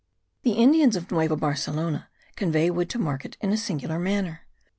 The Indians of Nueva Barcelona convey wood to market in a singular manner.